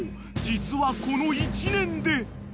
実はこの１年で］